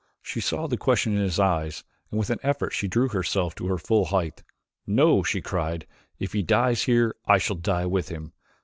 She saw the question in his eyes and with an effort she drew herself to her full height. "No," she cried, "if he dies here I shall die with him.